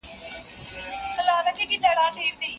خو داسي هم نه وې ريښتنې وې ته